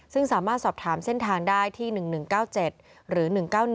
ซึ่งสามารถสอบถามเส้นทางได้ที่๑๑๙๗หรือ๑๙๑